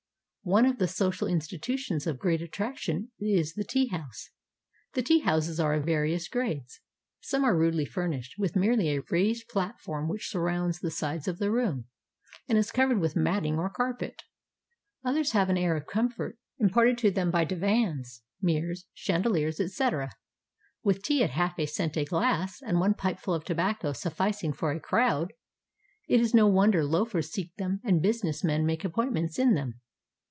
One of the social institutions of great attraction is the tea house. The tea houses are of various grades. Some are rudely furnished, with merely a raised platform which surrounds the sides of the room, and is covered with matting or carpet. Others have an air of comfort im parted to them by divans, mirrors, chandeliers, etc. With tea at half a cent a glass, and one pipeful of tobacco sufficing for a crowd, it is no wonder loafers seek them and business men make appointments in them.